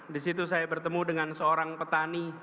di situ saya bertemu dengan seorang petani